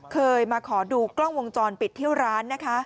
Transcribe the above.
เคยมาขอดูกล้องวงจรปิดที่ร้านนะคะ